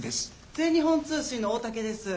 全日本通信の大竹です。